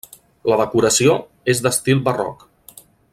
La decoració és d'estil barroc.